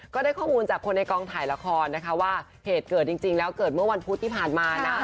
ก็ได้ข้อมูลจากคนในกองถ่ายละครนะคะว่าเหตุเกิดจริงแล้วเกิดเมื่อวันพุธที่ผ่านมานะ